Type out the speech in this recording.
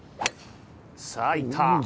さあ、いった。